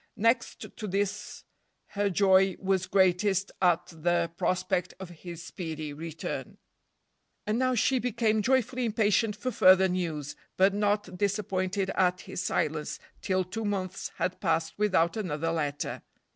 Next to this her joy was greatest at the prospect of his speedy return. And now she became joyfully impatient for further news, but not disappointed at his silence till two months had passed without another letter.